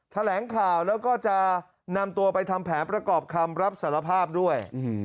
แถลงข่าวแล้วก็จะนำตัวไปทำแผนประกอบคำรับสารภาพด้วย